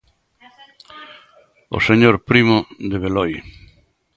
O señor Primo de Beloi.